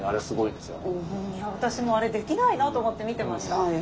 私もあれできないなと思って見てました。